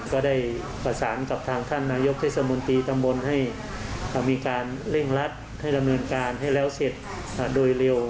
ก็ได้ประสานกับทางท่านนายกเทศมนตรีตำบลให้มีการเร่งรัดให้ดำเนินการให้แล้วเสร็จโดยเร็ว